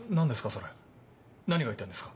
それ何が言いたいんですか？